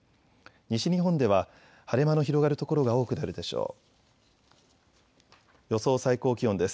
西日本では晴れ間の広がる所が多くなるでしょう。